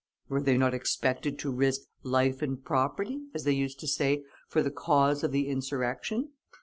Were they not expected to risk "life and property," as they used to say, for the cause of the insurrection?